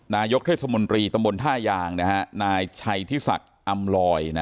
นายกเทศมนตรีตำบลท่ายางนายชัยทิศักดิ์อำลอย